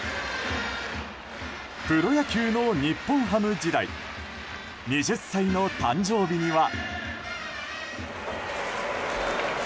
プロ野球の日本ハム時代２０歳の誕生日には。